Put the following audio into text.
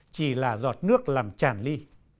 chỉ là giọt nước làm chàn ly